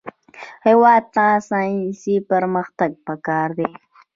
هېواد ته ساینسي پرمختګ پکار دی